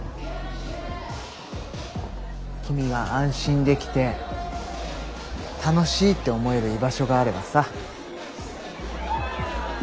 君が安心できて楽しいって思える居場所があればさ。